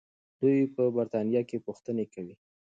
دوی په برتانیا کې پوښتنې کوي.